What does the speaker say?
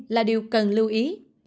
là điều cần lưu ý